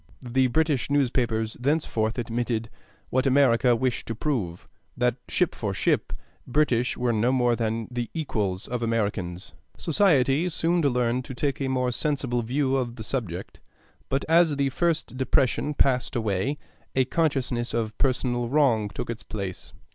The British newspapers thenceforward admitted what America wished to prove, that, ship for ship, British were no more than the equals of Americans. Society soon learned to take a more sensible view of the subject; but as the first depression passed away, a consciousness of personal wrong took its place.